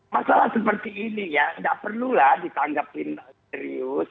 masalah seperti ini ya nggak perlulah ditanggapin serius